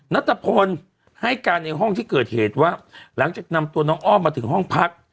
นัทพลให้การในห้องที่เกิดเหตุว่าหลังจากนำตัวน้องอ้อมมาถึงห้องพัก